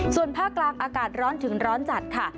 ส่วนภาคกลางอากาศร้อนถึงร้อนจัดค่ะ